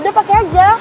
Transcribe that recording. udah pake aja